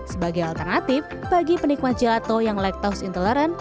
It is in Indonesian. sebagai alternatif bagi penikmat gelato yang lactose intolerant